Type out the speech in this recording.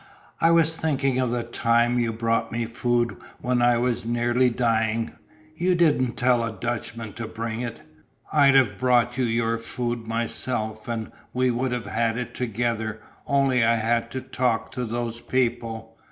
"I was thinking of the time you brought me food when I was nearly dying. You didn't tell a Dutchman to bring it. I'd have brought you your food myself and we would have had it together only I had to talk to those people.